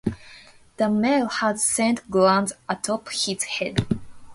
The male has scent glands atop his head.